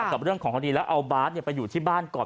กับเรื่องของคดีแล้วเอาบาร์ดไปอยู่ที่บ้านก่อน